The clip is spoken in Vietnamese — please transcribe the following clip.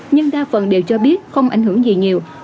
nhưng đa phần đều cho biết không ảnh hưởng gì nhiều